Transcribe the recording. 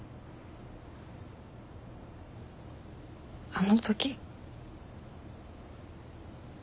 あの時。